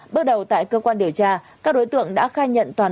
bước đầu tại cơ quan điều tra các đối tượng đã khai nhận toàn